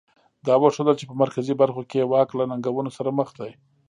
دا وښودل چې په مرکزي برخو کې یې واک له ننګونو سره مخ دی.